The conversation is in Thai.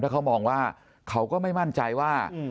เขามองว่าเขาก็ไม่มั่นใจว่า